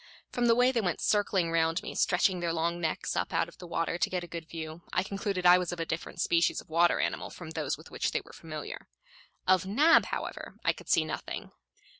From the way they went circling round me, stretching their long necks up out of the water to get a good view, I concluded I was of a different species of water animal from those with which they were familiar. Of Nab, however, I could see nothing.